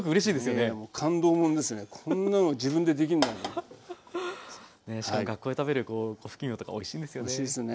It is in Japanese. ねえしかも学校で食べるこふきいもとかおいしいんですよね。